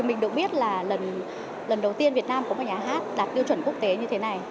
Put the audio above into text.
mình được biết là lần đầu tiên việt nam có một nhà hát đạt tiêu chuẩn quốc tế như thế này